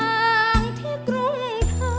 เพลงที่สองเพลงมาครับ